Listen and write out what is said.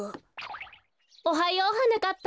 おはようはなかっぱ。